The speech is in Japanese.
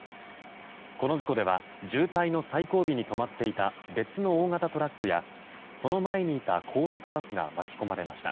この事故では渋滞の最後尾に止まっていた別の大型トラックやその前にいた高速バスが巻き込まれました。